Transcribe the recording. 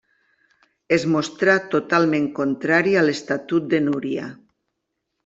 Es mostrà totalment contrari a l'Estatut de Núria.